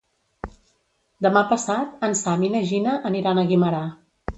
Demà passat en Sam i na Gina aniran a Guimerà.